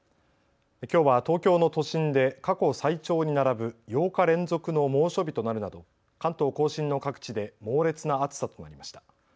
きょうは東京の都心で過去最長に並ぶ８日連続の猛暑日となるなど、関東甲信の各地で猛烈な暑さとなりました。